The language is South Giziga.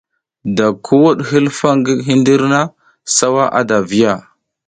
Da ki wuɗ hilfa ngi hindir na, sawa ada a viya.